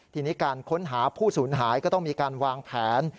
ทีนี้การค้นหาผู้สูญหายก็ต้องมีการวางแผน